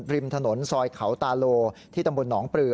ริมถนนซอยเขาตาโลที่ตำบลหนองปลือ